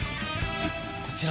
こちら。